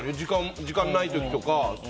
時間ない時とか。